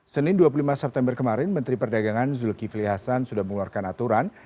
senin dua puluh lima september kemarin menteri perdagangan zulkifli hasan sudah mengeluarkan aturan